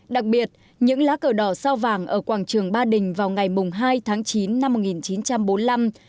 đặc biệt những lá cờ đỏ sao vàng ở quảng trường ba đình vào ngày hai tháng chín năm một nghìn chín trăm bốn mươi năm